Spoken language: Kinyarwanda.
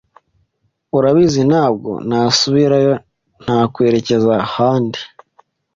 urabizi ntabwo nasubirayo nakwerekezaahandi